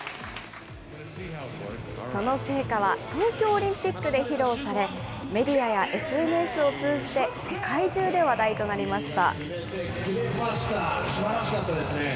その成果は東京オリンピックで披露され、メディアやＳＮＳを通じて、世界中で話題となりました。